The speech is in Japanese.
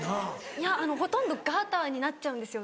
いやほとんどガターになっちゃうんですよ。